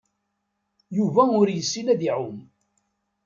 Yuba ur yessin ad iɛum.